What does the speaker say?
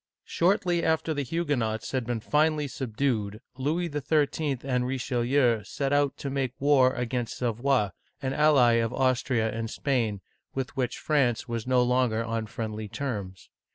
Shortly after the Huguenots had been finally subdued, Louis XIII. and Richelieu set out to make war against Savoy, an ally of Austria and Spain, with which France was no longer on friendly terms.